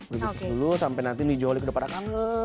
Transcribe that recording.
berbisnis dulu sampai nanti nijoli kedepan aku